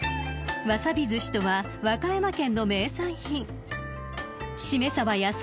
［わさびずしとは和歌山県の名産品］